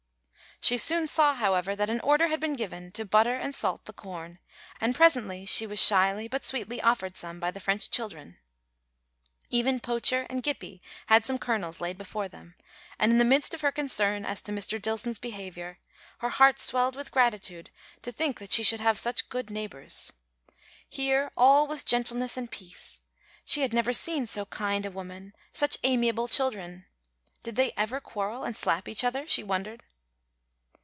She soon saw, however, that an order had been given to butter and salt the corn, and presently she was shyly but sweetly offered some by the French children. Even Poacher and Gippie had some kernels laid before them, and in the midst of her concern as to Mr. Dillson's behaviour, her heart swelled with gratitude to think that she should have such good neighbours. Here all was gentleness and peace. She had never seen so kind a woman, such amiable children. Did they ever quarrel and slap each other, she wondered.